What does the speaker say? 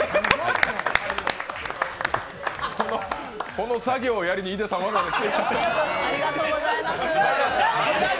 この作業をやりに井手さんわざわざ来ていただいた。